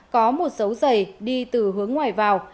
có một dấu dày đi từ hướng ngoài vào